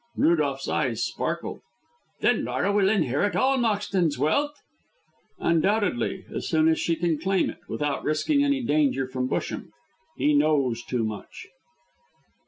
Rudolph's eyes sparkled. "Then Laura will inherit all Moxton's wealth?" "Undoubtedly, as soon as she can claim it, without risking any danger from Busham. He knows too much."